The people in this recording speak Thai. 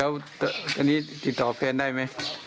แล้วอันนี้ติดต่อแฟนได้ไหม